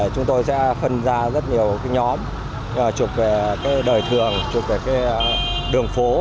chúng tôi sẽ phân ra rất nhiều nhóm chụp về đời thường trục về đường phố